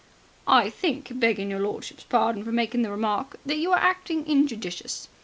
"I think, begging your lordship's pardon for making the remark, that you are acting injudicious.